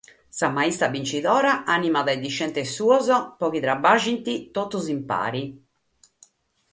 Sa maistra binchidora ànimat sos dischentes suos pro chi traballent totus in pare.